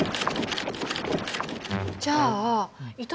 じゃあ糸